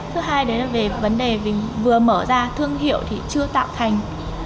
thứ hai đấy là về vấn đề mình vừa mở ra thương hiệu thì chưa tạo thành